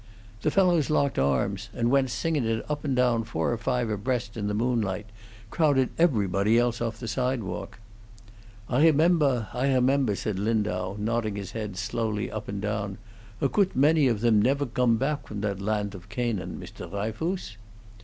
The fellows locked arms and went singin' it up and down four or five abreast in the moonlight; crowded everybody else off the sidewalk." "I remember, I remember," said Lindau, nodding his head slowly up and down. "A coodt many off them nefer gome pack from that landt of Ganaan, Mr. Dryfoos?"